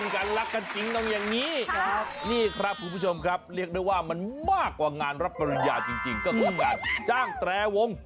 คุณผู้ชมครับเรียกได้ว่ามันมากกว่างานรับปริญญาจริงก็คืองานจ้างแตรวง